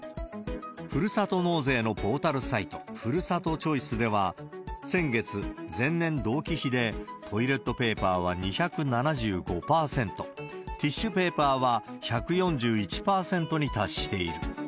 ふるさと納税のポータルサイト、ふるさとチョイスでは、先月・前年同期比で、トイレットペーパーは２７５％、ティッシュペーパーは１４１％に達している。